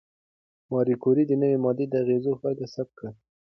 ماري کوري د نوې ماده د اغېزو پایله ثبت کړه.